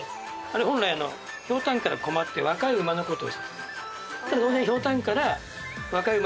本来「ひょうたんからこま」って若い馬のこと。